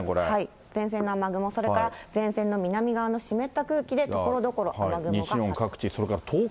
前線の雨雲、それから、前線の南側の湿った空気でところどころ雨雲がかかっています。